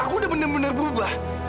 aku udah bener bener berubah